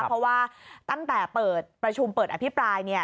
เพราะว่าตั้งแต่ประชุมเปิดอภิปราย